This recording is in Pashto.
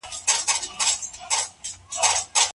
ناسم بستر درد زېږوي